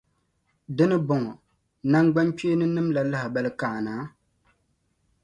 Di ni bɔŋɔ, namgbankpeeni nim’ la lahibali ka a na?